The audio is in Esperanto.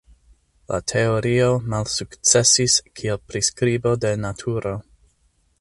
Lia teorio malsukcesis kiel priskribo de naturo.